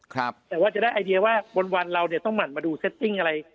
แต่ว่าจะได้ไอเดียว่าบนวันเราเนี่ยต้องหมั่นมาดูเซตติ้งอะไร